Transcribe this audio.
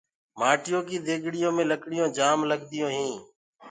مآٽيو ڪيٚ ديگڙيو مي لڪڙيونٚ جآم لگديونٚ هينٚ۔